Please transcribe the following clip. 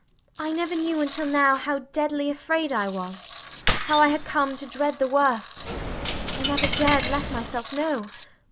I never knew until now how deadly afraid I was how I had come to dread the worst. I never dared let myself know.